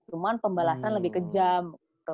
cuman pembalasan lebih kejam